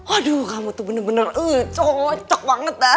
aduh kamu tuh bener bener cocok banget ya